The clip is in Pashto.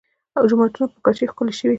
جوماتونه په کاشي ښکلي شوي.